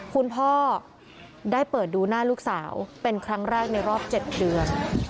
คุณพ่อได้เปิดดูหน้าลูกสาวเป็นครั้งแรกในรอบ๗เดือน